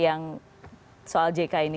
yang soal jk ini